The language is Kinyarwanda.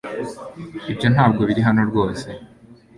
Ibyo ntabwo biri hano rwose